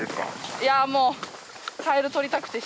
いやもう。